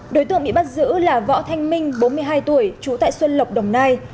đối tượng bị bắt giữ là võ thanh minh bốn mươi hai tuổi trú tại xuân lộc đồng nai